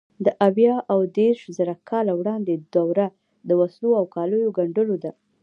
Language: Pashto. د اویا او دېرشزره کاله وړاندې دوره د وسلو او کالیو ګنډلو ده.